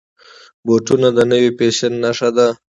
بوټونه د نوي فیشن نښه ده.